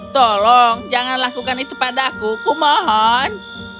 tolong jangan lakukan itu padaku kumohon